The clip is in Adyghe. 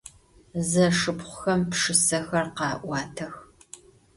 Zeşşıpxhuxem pşşısexer kha'uatex.